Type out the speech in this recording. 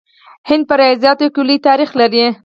هند په ریاضیاتو کې لوی تاریخ لري.